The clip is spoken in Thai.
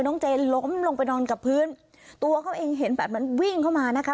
เจนล้มลงไปนอนกับพื้นตัวเขาเองเห็นแบบนั้นวิ่งเข้ามานะคะ